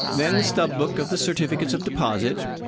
Then the stub book of the certificates of deposit.